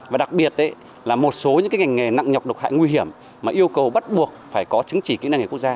và đặc biệt là một số những ngành nghề nặng nhọc độc hại nguy hiểm mà yêu cầu bắt buộc phải có chứng chỉ kỹ năng nghề quốc gia